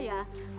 ya pak rw